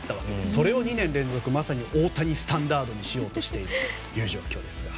それを２年連続まさに大谷スタンダードにしようとしている状況です。